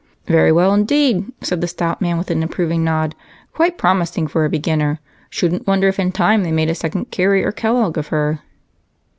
"Very well, indeed," said the stout man with an approving nod. "Quite promising for a beginner. Shouldn't wonder if in time they made a second Cary or Kellogg of her."